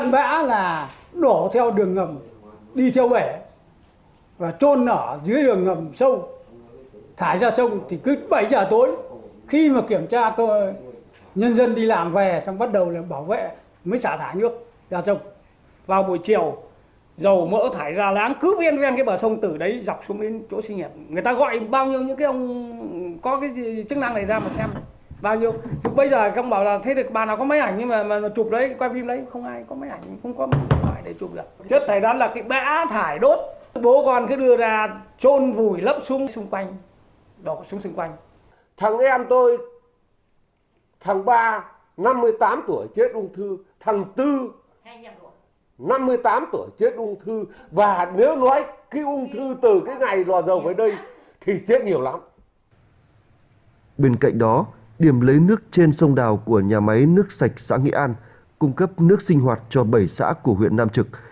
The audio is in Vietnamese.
bên cạnh đó điểm lấy nước trên sông đào của nhà máy nước sạch xã nghĩa an cung cấp nước sinh hoạt cho bảy xã của huyện nam trực